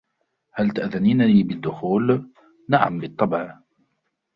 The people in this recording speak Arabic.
" هل تأذنين لي بالدخول ؟"" نعم ، بالطبع ".